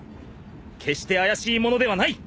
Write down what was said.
決して怪しい者ではない！